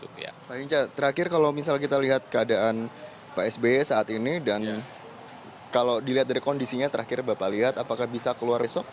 pak hinca terakhir kalau misalnya kita lihat keadaan pak sby saat ini dan kalau dilihat dari kondisinya terakhir bapak lihat apakah bisa keluar besok